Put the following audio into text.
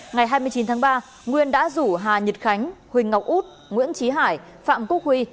ngày hai mươi chín tháng ba nguyên đã rủ hà nhật khánh huỳnh ngọc út nguyễn trí hải phạm quốc huy